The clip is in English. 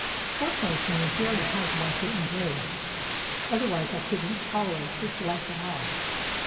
Fortunately for me, he already has one foot in the grave. Otherwise I couldn't tolerate this life at all!"